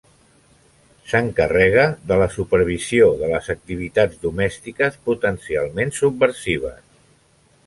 S'encarrega de la supervisió de les activitats domèstiques potencialment subversives.